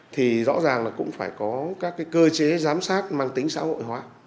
thì rõ ràng là cũng phải có các cơ chế giám sát mang tính xã hội hóa